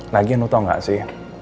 lagian lo tau gak sih